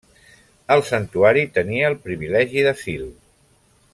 El santuari tenia el privilegi d'asil.